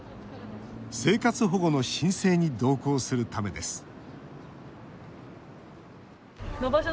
生活保護の申請に同行するためです